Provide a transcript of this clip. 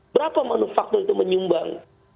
berapa manufaktur itu menyumbang